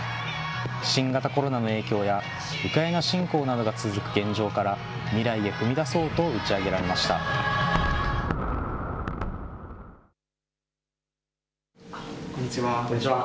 新型コロナの影響や、ウクライナ侵攻などが続く現状から、未来へ踏み出そうと打ち上げこんにちは。